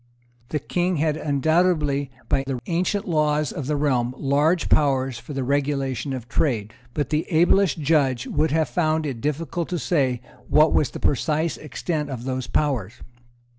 The King had undoubtedly, by the ancient laws of the realm, large powers for the regulation of trade; but the ablest judge would have found it difficult to say what was the precise extent of those powers.